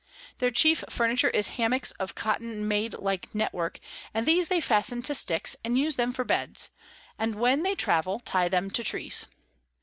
Their chief Furniture is Hammocks of Cotton made like Network, and these they fasten to sticks, and use them for Beds; and when they travel, tie them to Trees.